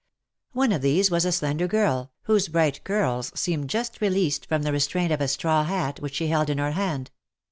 One of these was a slender girl, whose bright curls seemed just released from the restraint of a straw hat which she held in her hand.